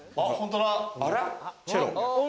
チェロ？